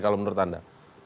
kalau menurut anda